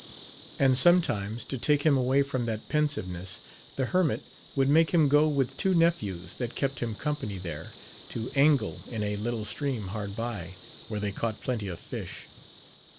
And sometimes, to take him away from that pensiveness, the hermit would make him so with two nephews that kept him company it 298 AMADIS OF GAUL. angle in a little stream hard by, where they caught plenty of fish.